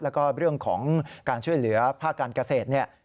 แล้วก็เรื่องของการช่วยเหลือภาคการเกษตรเนี่ย